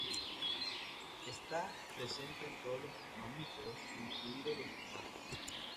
Está presente en todos los mamíferos, incluido los humanos.